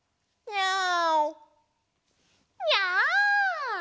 ニャオ！